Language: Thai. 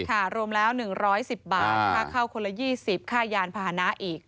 ค่ะรวมแล้วหนึ่งร้อยสิบบาทค่าเข้าคนละยี่สิบค่ายานพาหนะอีก